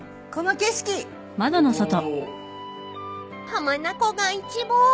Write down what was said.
［浜名湖が一望］